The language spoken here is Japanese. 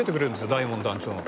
大門団長の。